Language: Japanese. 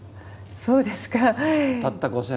ああそうですか。